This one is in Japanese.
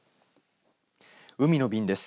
海の便です。